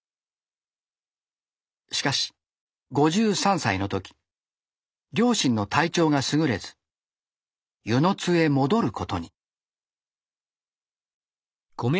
しかし５３歳の時両親の体調がすぐれず温泉津へ戻ることに。